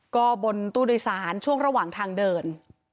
ก็บนตู้โดยสารช่วงระหว่างทางเดิน